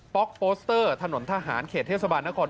็อกโปสเตอร์ถนนทหารเขตเทศบาลนคร